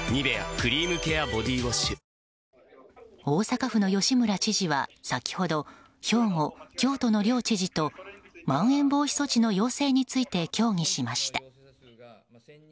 大阪府の吉村知事は先ほど兵庫、京都の両知事とまん延防止措置の要請について協議しました。